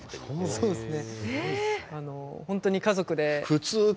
そうですね。